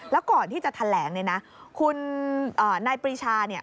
แล้วก่อนที่จะแถลงเนี่ยนะคุณนายปรีชาเนี่ย